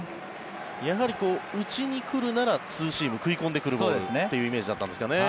やはり打ちに来るならツーシーム食い込んでくるボールというイメージだったんですかね。